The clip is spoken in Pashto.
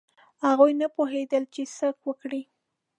هغوی نه پوهېدل چې څه وکړي.